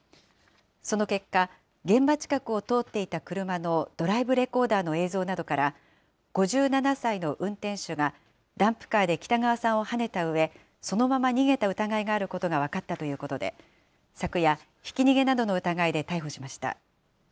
その結果、現場近くを通っていた車のドライブレコーダーの映像などから、５７歳の運転手が、ダンプカーで北川さんをはねたうえ、そのまま逃げた疑いがあることが分かったということで、昨夜、ひき逃げなどの疑いで逮捕しました。